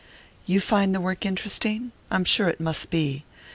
"You find the work interesting? I'm sure it must be.